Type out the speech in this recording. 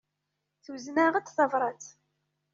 Tuzen-aɣ-d tabrat.